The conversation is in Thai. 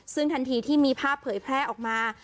ซึ่งทันทีที่มีภาพเผยแพร่ออกมา